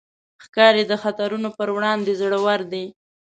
ښکاري د خطرونو پر وړاندې زړور دی.